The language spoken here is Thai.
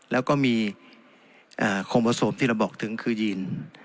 แล้วก็มีโครงผสมที่เราบอกถึงคือยีน